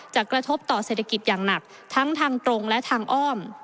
กระทบต่อเศรษฐกิจอย่างหนักทั้งทางตรงและทางอ้อม